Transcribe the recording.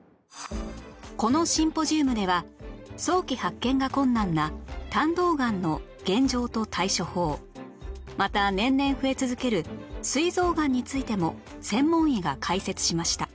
このシンポジウムでは早期発見が困難な胆道がんの現状と対処法また年々増え続ける膵臓がんについても専門医が解説しました